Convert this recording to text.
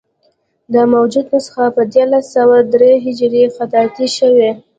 دا موجوده نسخه په دیارلس سوه درې هجري خطاطي شوې.